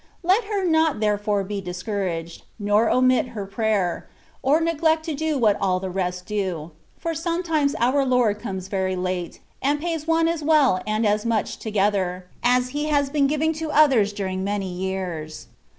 Let her not therefore be discotu aged, nor omit her prayer, or neglect to do what all the rest do ; for sometimes our Lord comes very late, and pays one as well and as much together, as He has been giving to others during many years.